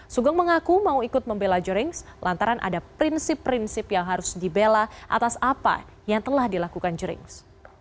sugeng mengaku mau ikut membela jerings lantaran ada prinsip prinsip yang harus dibela atas apa yang telah dilakukan jerings